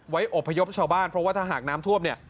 อบพยพชาวบ้านเพราะว่าถ้าหากน้ำท่วมเนี่ย